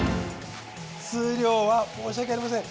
数量は申し訳ありません。